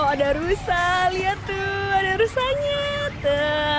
oh ada rusa lihat tuh ada rusanya